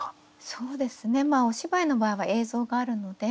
そうですねまあお芝居の場合は映像があるので。